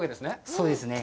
そうですね。